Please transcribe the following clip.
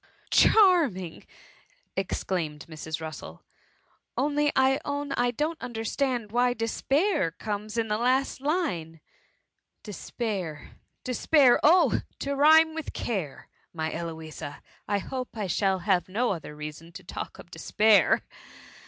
'^ Charming V^ exclaimed Mrs. Russel, '^ only I own I don'^t understand why despair comes in the last line.'' " Despair — despair : oh I to rhyme with care, my Eloisa. I hope I shall have, no other reason to talk of despair.